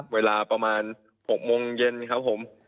เวลาประมาณ๖โมงเย็นครับผม